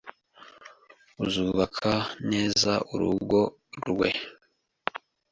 uzubaka neza urugo rwe,